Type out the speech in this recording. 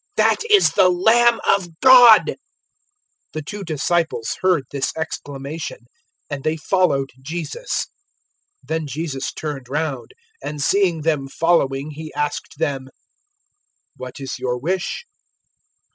that is the Lamb of God!" 001:037 The two disciples heard his exclamation, and they followed Jesus. 001:038 Then Jesus turned round, and seeing them following He asked them, "What is your wish?"